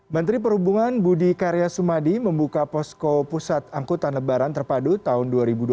menteri perhubungan budi karya sumadi membuka posko pusat angkutan lebaran terpadu tahun dua ribu dua puluh tiga